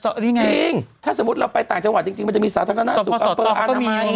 จริงถ้าสมมุติเราไปต่างจังหวัดจริงมันจะมีสาธารณะสุขอัพเบอร์อัธรรมี